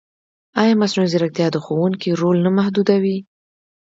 ایا مصنوعي ځیرکتیا د ښوونکي رول نه محدودوي؟